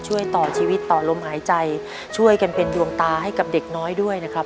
ช่วยต่อชีวิตต่อลมหายใจช่วยกันเป็นดวงตาให้กับเด็กน้อยด้วยนะครับ